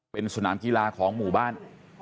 เป็นสนามกีฬาของหมู่บ้าน